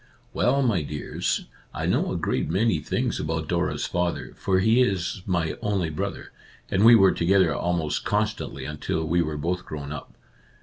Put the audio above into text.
" Well, my dears, I know a great many things about Dora's father, for he is my only brother, and we were together almost con stantly until we were both grown up.